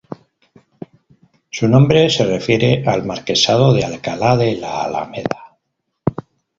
Su nombre se refiere al Marquesado de Alcalá de la Alameda.